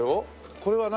これは何？